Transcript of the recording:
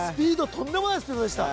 とんでもないスピードでした